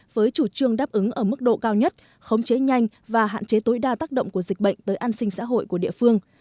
với chủ trương đáp ứng ở mức độ cao nhất khống chế nhanh và hạn chế tối đa tác động của dịch bệnh tới an sinh xã hội của địa phương